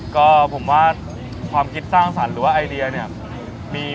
ก็ผมว่าความคิดสร้างสรรค์หรือว่าไอเดียเนี่ย